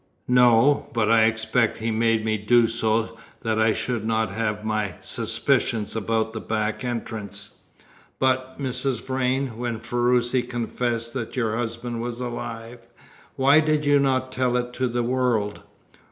"No. But I expect he made me do so that I should not have my suspicions about that back entrance. But, Mrs. Vrain, when Ferruci confessed that your husband was alive, why did you not tell it to the world?"